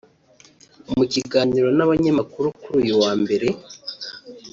mu kiganiro n’abanyamakuru kuri uyu wa Mbere